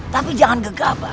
tapi jangan gegabah